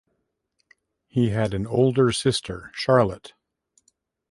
He had an older sister, Charlotte.